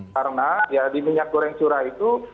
karena di minyak goreng surah itu